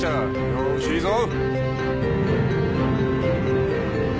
よーしいいぞ。